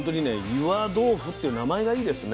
岩豆腐っていう名前がいいですね。